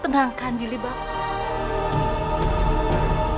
tenangkan diri bapak